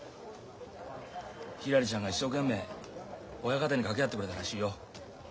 ひらりちゃんが一生懸命親方に掛け合ってくれたらしいよ。